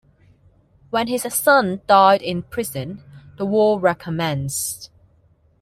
When his son died in prison, the war recommenced.